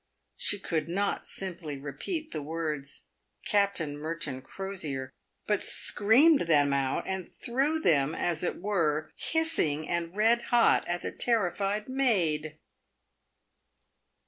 She could not simply repeat the words " Captain Merton Crosier," but screamed them out, and threw them, as it were, hissing and red hot at the terrified maid.